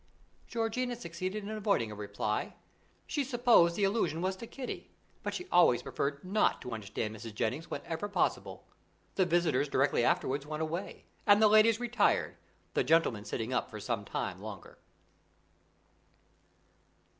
Georgiana succeeded in avoiding a reply; she supposed the allusion was to Kitty, but she always preferred not to understand Mrs. Jennings whenever possible. The visitors directly afterwards went away, and the ladies retired, the gentlemen sitting up for some time longer.